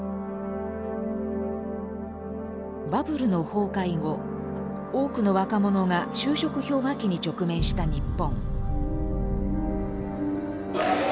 バブルの崩壊後多くの若者が就職氷河期に直面した日本。